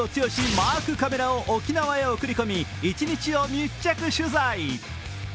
マークカメラを沖縄へ送り込み一日を密着取材。